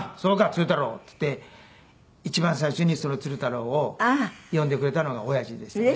鶴太郎」って言って一番最初に鶴太郎を呼んでくれたのが親父でしたね。